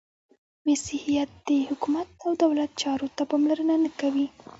• مسیحیت د حکومت او دولت چارو ته پاملرنه نهکوي.